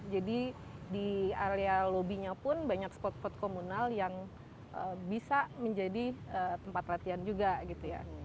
jadi di area lobby nya pun banyak spot spot komunal yang bisa menjadi tempat latihan juga gitu ya